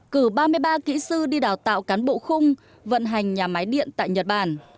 cử ba mươi ba kỹ sư đi đào tạo cán bộ khung vận hành nhà máy điện tại nhật bản